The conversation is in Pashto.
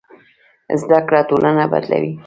زده کړه ټولنه بدلوي.